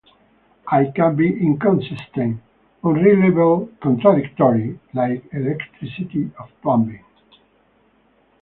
I can be inconsistent, unreliable, contradictory... like electricity or plumbing.